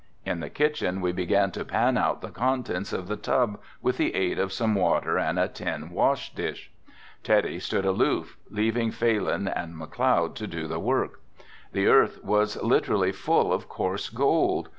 In the kitchen we began to pan out the contents of the tub with the aid of some water and a tin wash dish. Teddy stood aloof leaving Phalin and McLeod to do the work. The earth was literally full of coarse gold.